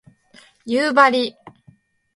夕張